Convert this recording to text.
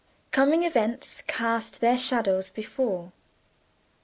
"COMING EVENTS CAST THEIR SHADOWS BEFORE."